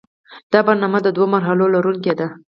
دا برنامه د دوو مرحلو لرونکې ده.